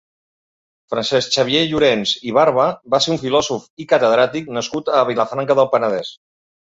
Francesc Xavier Llorens i Barba va ser un filòsof i catedràtic nascut a Vilafranca del Penedès.